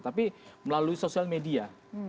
tapi melalui sosial media